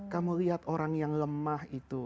kamu lihat orang yang lemah itu